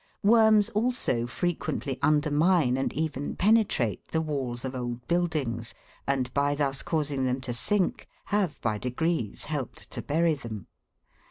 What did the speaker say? Worms also frequently undermine and even penetrate the walls of old buildings, and by thus causing them to sink have by degrees helped to bury them.